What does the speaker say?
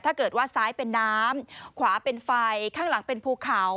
ถ้าเกิดว่าซ้ายเป็นน้ำขวาเป็นไฟข้างหลังเป็นภูเขา